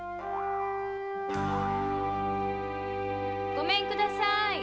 ・ごめんください！